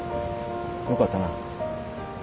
よかったな。